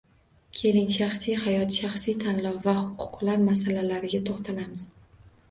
Keling, shaxsiy hayot, shaxsiy tanlov va huquqlar masalalariga to'xtalamiz